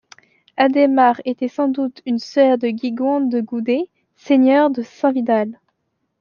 Adhémare était sans doute une sœur de Guigon de Goudet, seigneur de Saint-Vidal.